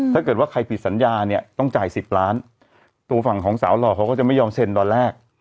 ถ้าเกิดว่าใครผิดสัญญาเนี่ยต้องจ่าย๑๐ล้านตัวฝั่งของสาวหล่อเขาก็จะไม่ยอมเซ็นตอนแรก